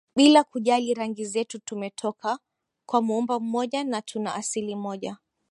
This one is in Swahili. bila kujali rangi zetu tumetoka kwa Muumba mmoja na tuna asili moja